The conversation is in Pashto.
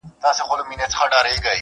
چي ما دي په تیاره کي تصویرونه وي پېیلي؛